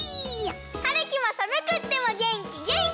はるきもさむくってもげんきげんき！